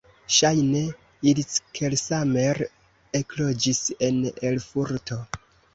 Ŝajne Ickelsamer ekloĝis en Erfurto.